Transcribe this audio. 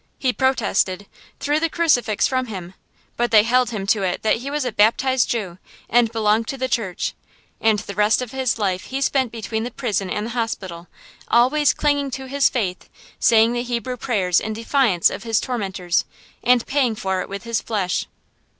He protested, threw the crucifix from him, but they held him to it that he was a baptized Jew, and belonged to the Church; and the rest of his life he spent between the prison and the hospital, always clinging to his faith, saying the Hebrew prayers in defiance of his tormentors, and paying for it with his flesh.